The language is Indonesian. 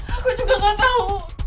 aku juga gak tau